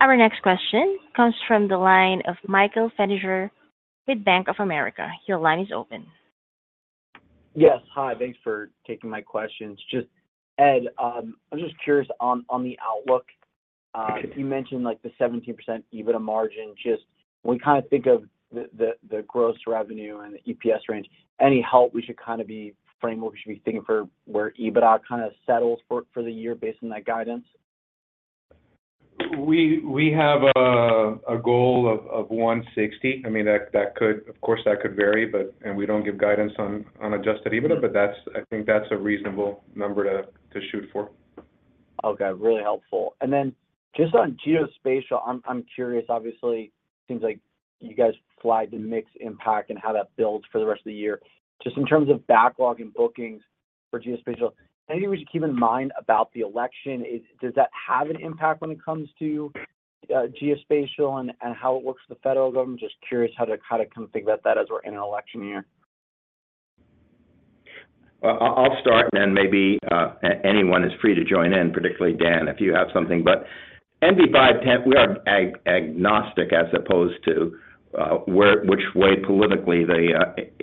S1: Our next question comes from the line of Michael Feniger with Bank of America. Your line is open.
S15: Yes. Hi. Thanks for taking my questions. Just Ed, I'm just curious on the outlook. You mentioned the 17% EBITDA margin. Just when we kind of think of the gross revenue and the EPS range, any help we should kind of be framed where we should be thinking for where EBITDA kind of settles for the year based on that guidance?
S7: We have a goal of 160. I mean, of course, that could vary, and we don't give guidance on adjusted EBITDA, but I think that's a reasonable number to shoot for.
S15: Okay. Really helpful. And then just on geospatial, I'm curious. Obviously, it seems like you guys flagged the mixed impact and how that builds for the rest of the year. Just in terms of backlog and bookings for geospatial, anything we should keep in mind about the election? Does that have an impact when it comes to geospatial and how it works with the federal government? Just curious how to kind of configure that as we're in an election year?
S3: Well, I'll start, and then maybe anyone is free to join in, particularly Dan, if you have something. But NV5, we are agnostic as opposed to which way politically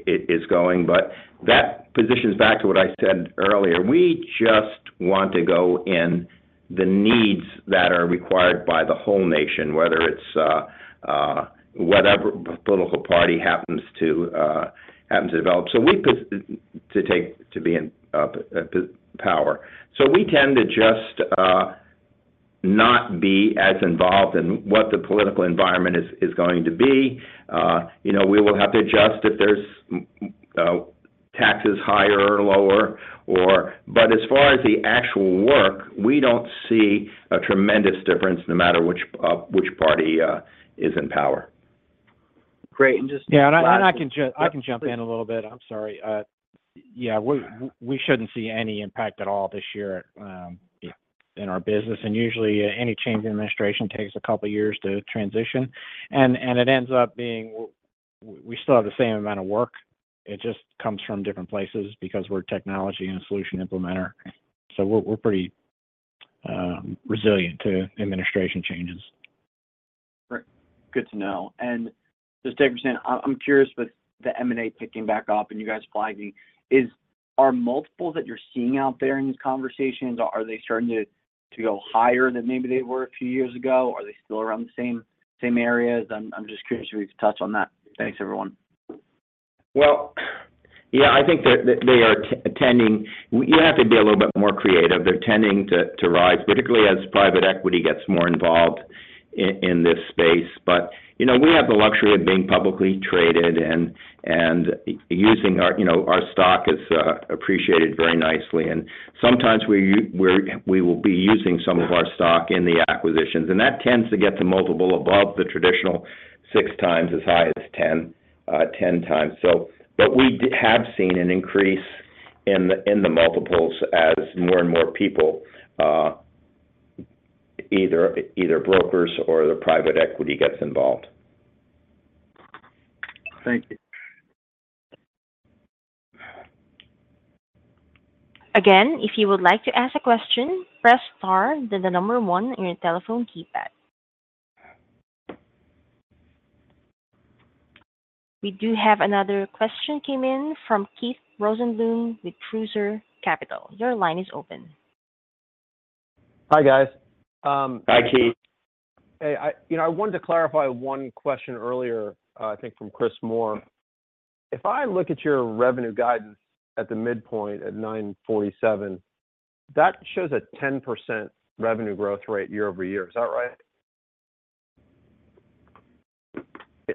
S3: it is going. But that positions back to what I said earlier. We just want to go in the needs that are required by the whole nation, whether it's whatever political party happens to develop to be in power. So we tend to just not be as involved in what the political environment is going to be. We will have to adjust if there's taxes higher or lower. But as far as the actual work, we don't see a tremendous difference no matter which party is in power.
S5: Great. And just.
S4: Yeah. And I can jump in a little bit. I'm sorry. Yeah. We shouldn't see any impact at all this year in our business. And usually, any change in administration takes a couple of years to transition. And it ends up being we still have the same amount of work. It just comes from different places because we're technology and solution implementer. So we're pretty resilient to administration changes.
S15: Great. Good to know. And just to make sure, I'm curious with the M&A picking back up and you guys flagging, are multiples that you're seeing out there in these conversations, are they starting to go higher than maybe they were a few years ago, or are they still around the same areas? I'm just curious if we could touch on that. Thanks, everyone.
S3: Well, yeah, I think they are tending, you have to be a little bit more creative. They're tending to rise, particularly as private equity gets more involved in this space. But we have the luxury of being publicly traded, and using our stock is appreciated very nicely. And sometimes we will be using some of our stock in the acquisitions. And that tends to get the multiple above the traditional 6x as high as 10x. But we have seen an increase in the multiples as more and more people, either brokers or the private equity, get involved.
S15: Thank you.
S1: Again, if you would like to ask a question, press star then the number one on your telephone keypad. We do have another question came in from Keith Rosenbloom with Cruiser Capital. Your line is open.
S16: Hi, guys.
S3: Hi, Keith.
S16: Hey. I wanted to clarify one question earlier, I think, from Chris Moore. If I look at your revenue guidance at the midpoint at 947, that shows a 10% revenue growth rate year-over-year. Is that right?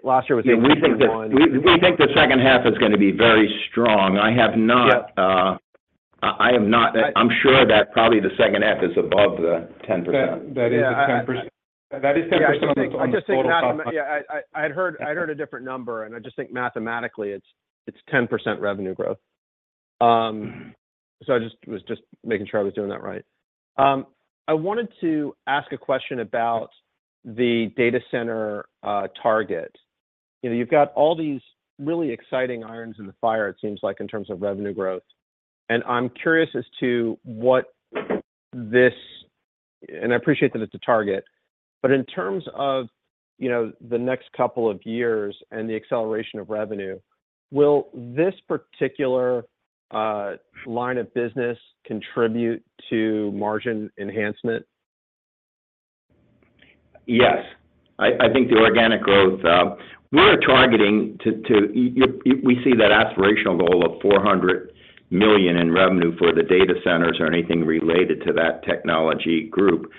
S16: Last year was 8.1.
S3: We think the second half is going to be very strong. I have not. I'm sure that probably the second half is above the 10%.
S5: That is the 10%. That is 10% on the total. Yeah. I had heard a different number, and I just think mathematically it's 10% revenue growth. So I was just making sure I was doing that right. I wanted to ask a question about the data center target. You've got all these really exciting irons in the fire, it seems like, in terms of revenue growth. And I'm curious as to what this, and I appreciate that it's a target. But in terms of the next couple of years and the acceleration of revenue, will this particular line of business contribute to margin enhancement?
S3: Yes. I think the organic growth we are targeting to—we see that aspirational goal of $400 million in revenue for the data centers or anything related to that technology group.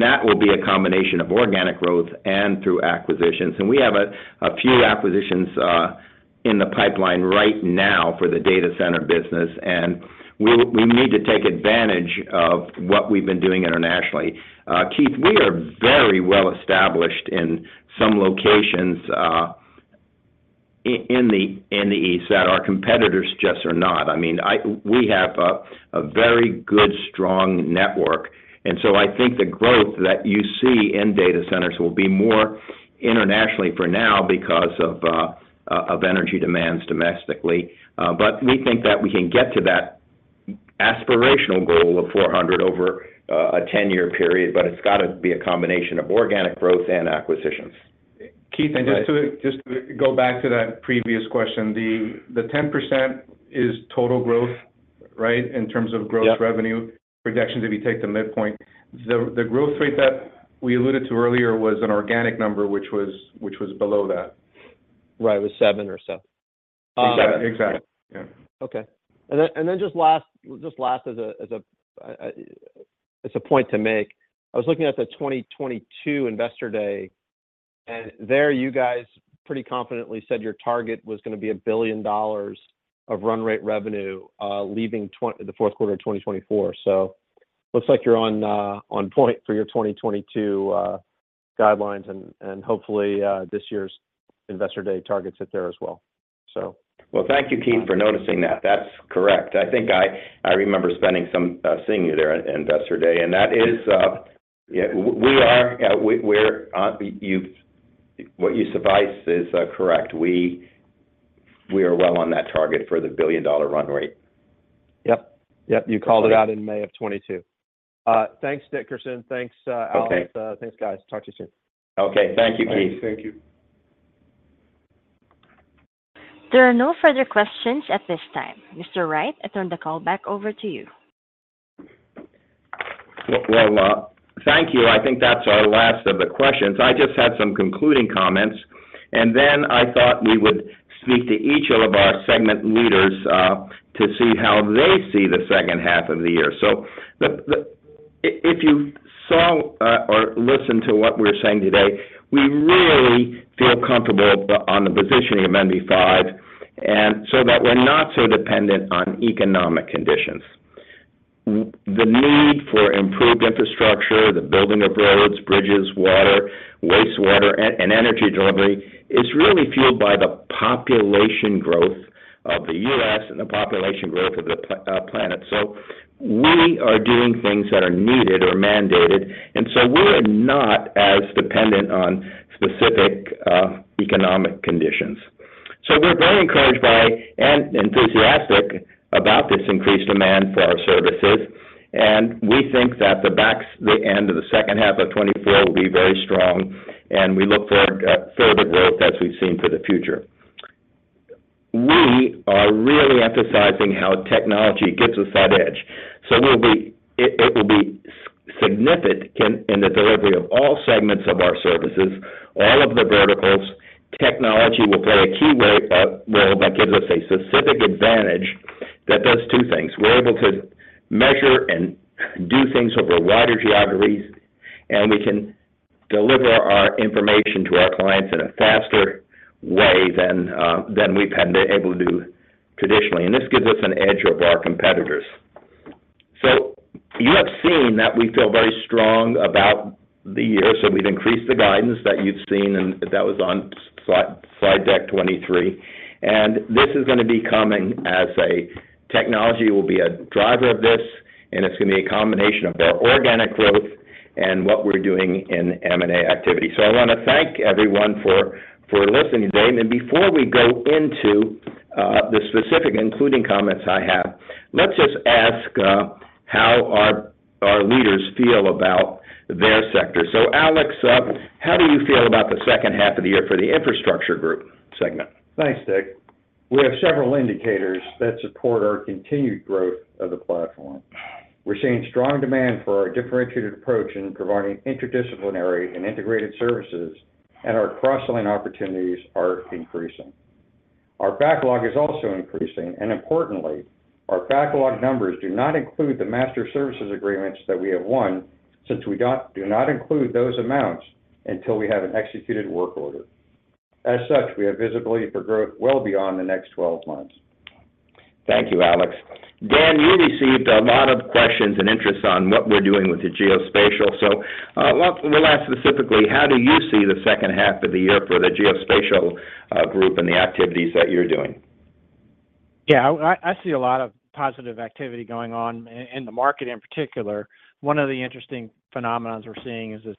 S3: That will be a combination of organic growth and through acquisitions. And we have a few acquisitions in the pipeline right now for the data center business. And we need to take advantage of what we've been doing internationally. Keith, we are very well established in some locations in the East that our competitors just are not. I mean, we have a very good, strong network. And so I think the growth that you see in data centers will be more internationally for now because of energy demands domestically. But we think that we can get to that aspirational goal of $400 million over a 10-year period, but it's got to be a combination of organic growth and acquisitions.
S5: Keith, just to go back to that previous question, the 10% is total growth, right, in terms of gross revenue projections if you take the midpoint. The growth rate that we alluded to earlier was an organic number, which was below that.
S7: Right. It was 7 or so.
S5: Exactly. Exactly. Yeah.
S16: Okay. And then just last as a point to make, I was looking at the 2022 Investor Day, and there you guys pretty confidently said your target was going to be $1 billion of run rate revenue leaving the fourth quarter of 2024. So it looks like you're on point for your 2022 guidelines. Hopefully, this year's Investor Day targets it there as well, so.
S3: Well, thank you, Keith, for noticing that. That's correct. I think I remember spending some seeing you there at Investor Day. And that is, yeah, we are, what you surmised is correct. We are well on that target for the billion-dollar run rate.
S4: Yep. Yep. You called it out in May of 2022.
S16: Thanks, Dickerson. Thanks, Alex. Thanks, guys. Talk to you soon.
S3: Okay. Thank you, Keith.
S16: Thank you.
S1: There are no further questions at this time. Mr. Wright, I turn the call back over to you.
S3: Well, thank you. I think that's our last of the questions. I just had some concluding comments, and then I thought we would speak to each of our segment leaders to see how they see the second half of the year. So if you saw or listened to what we're saying today, we really feel comfortable on the positioning of NV5 so that we're not so dependent on economic conditions. The need for improved infrastructure, the building of roads, bridges, water, wastewater, and energy delivery is really fueled by the population growth of the U.S. and the population growth of the planet. So we are doing things that are needed or mandated. And so we're not as dependent on specific economic conditions. So we're very encouraged by and enthusiastic about this increased demand for our services. We think that the end of the second half of 2024 will be very strong, and we look for further growth as we've seen for the future. We are really emphasizing how technology gives us that edge. So it will be significant in the delivery of all segments of our services, all of the verticals. Technology will play a key role that gives us a specific advantage that does two things. We're able to measure and do things over wider geographies, and we can deliver our information to our clients in a faster way than we've been able to do traditionally. And this gives us an edge over our competitors. So you have seen that we feel very strong about the year. So we've increased the guidance that you've seen, and that was on slide deck 23. This is going to be coming as a technology will be a driver of this, and it's going to be a combination of our organic growth and what we're doing in M&A activity. I want to thank everyone for listening today. Before we go into the specific including comments I have, let's just ask how our leaders feel about their sector. Alex, how do you feel about the second half of the year for the infrastructure group segment?
S4: Thanks, Dick. We have several indicators that support our continued growth of the platform. We're seeing strong demand for our differentiated approach in providing interdisciplinary and integrated services, and our cross-line opportunities are increasing. Our backlog is also increasing. Importantly, our backlog numbers do not include the master services agreements that we have won since we do not include those amounts until we have an executed work order. As such, we have visibility for growth well beyond the next 12 months.
S3: Thank you, Alex. Dan, we received a lot of questions and interest on what we're doing with the Geospatial. We'll ask specifically, how do you see the second half of the year for the Geospatial group and the activities that you're doing?
S5: Yeah. I see a lot of positive activity going on in the market in particular. One of the interesting phenomena we're seeing is this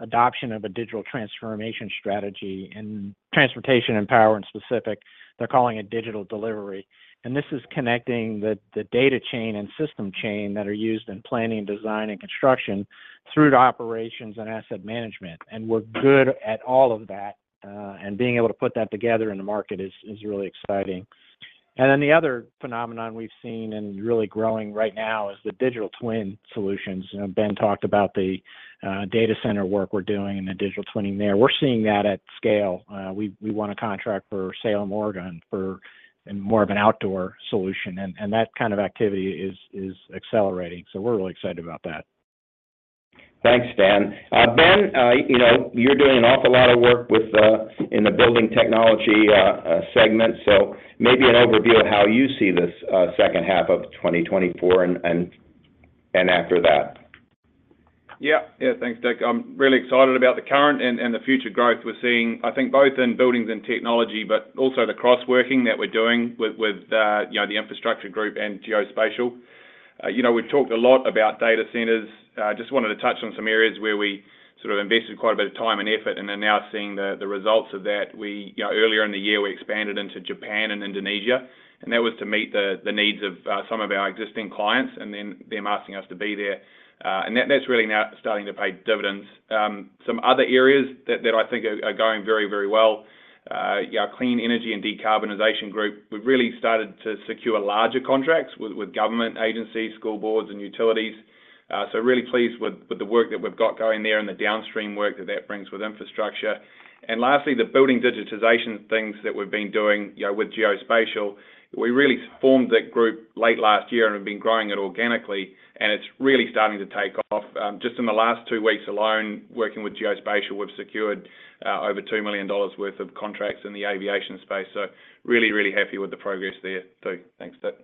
S5: adoption of a digital transformation strategy in transportation and power in specific. They're calling it digital delivery. And this is connecting the data chain and system chain that are used in planning, design, and construction through to operations and asset management. And we're good at all of that. And being able to put that together in the market is really exciting. And then the other phenomenon we've seen and really growing right now is the digital twin solutions. Ben talked about the data center work we're doing and the digital twinning there. We're seeing that at scale. We won a contract for Salem, Oregon for more of an outdoor solution. And that kind of activity is accelerating. So we're really excited about that.
S3: Thanks, Dan. Ben, you're doing an awful lot of work in the building technology segment. So maybe an overview of how you see this second half of 2024 and after that.
S6: Yeah. Yeah. Thanks, Dick. I'm really excited about the current and the future growth we're seeing, I think, both in buildings and technology, but also the cross-working that we're doing with the infrastructure group and geospatial. We've talked a lot about data centers. Just wanted to touch on some areas where we sort of invested quite a bit of time and effort, and then now seeing the results of that. Earlier in the year, we expanded into Japan and Indonesia, and that was to meet the needs of some of our existing clients, and then them asking us to be there. And that's really now starting to pay dividends. Some other areas that I think are going very, very well, our clean energy and decarbonization group. We've really started to secure larger contracts with government agencies, school boards, and utilities. So really pleased with the work that we've got going there and the downstream work that that brings with infrastructure. And lastly, the building digitization things that we've been doing with geospatial. We really formed that group late last year and have been growing it organically. And it's really starting to take off. Just in the last two weeks alone, working with geospatial, we've secured over $2 million worth of contracts in the aviation space. So really, really happy with the progress there, too. Thanks, Dick.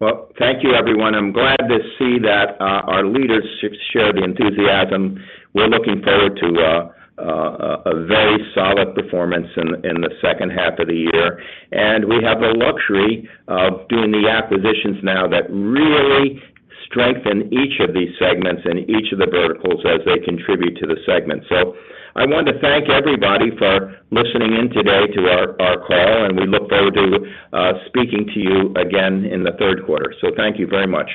S3: Well, thank you, everyone. I'm glad to see that our leaders share the enthusiasm. We're looking forward to a very solid performance in the second half of the year. And we have the luxury of doing the acquisitions now that really strengthen each of these segments and each of the verticals as they contribute to the segment. So I want to thank everybody for listening in today to our call, and we look forward to speaking to you again in the third quarter. So thank you very much.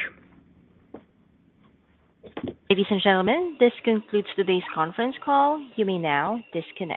S1: Ladies and gentlemen, this concludes today's Conference Call. You may now disconnect.